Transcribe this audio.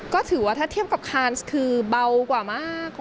ก็ถือว่าถ้าเทียบกับคานคือเบากว่ามาก